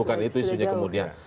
bukan itu isunya kemudian